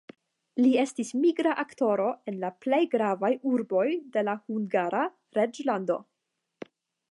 Li estis migra aktoro en la plej gravaj urboj de la Hungara reĝlando.